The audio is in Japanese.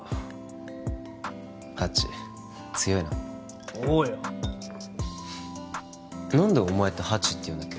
ハチ強いなおうよ何でお前ってハチっていうんだっけ？